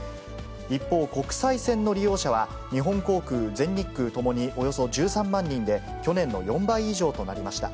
一方、国際線の利用者は、日本航空、全日空ともにおよそ１３万人で、去年の４倍以上となりました。